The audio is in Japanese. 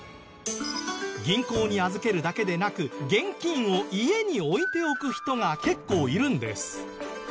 銀行に預けるだけでなく現金を家に置いておく人が結構いるんです。